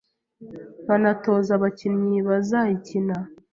nkanatoza n'abakinnyi bazayikina